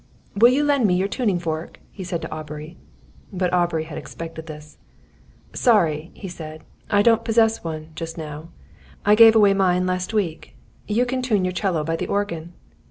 "Will you lend me your tuning fork?" he said to Aubrey. But Aubrey had expected this. "Sorry," he said. "I don't possess one, just now. I gave away mine last week. You can tune your 'cello by the organ."